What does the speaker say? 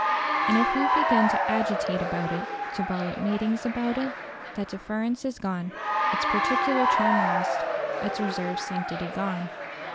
And if you begin to agitate about it, to bawl at meetings about it, that deference is gone, its particular charm lost, its reserved sanctity gone.